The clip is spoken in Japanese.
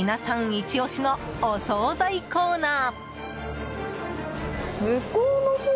イチ押しのお総菜コーナー。